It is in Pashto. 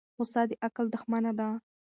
غصه د عقل دښمنه ده.